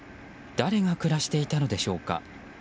誰が暮らしていたのでしょうか。